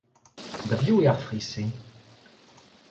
Da biv eo ar fri-se ?